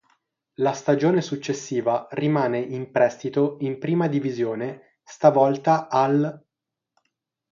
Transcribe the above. La stagione successiva rimane in prestito in Prima Divisione, stavolta all'.